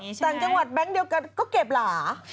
ต่างจังหวัดแบงค์เดียวกันก็เก็บหลา